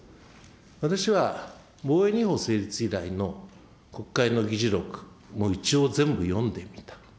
私は成立以来の国会の議事録も一応、全部読んでみた。